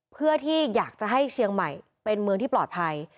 เพื่อที่อยากจะให้เชียงใหม่เป็นเมืองที่ปลอดภัย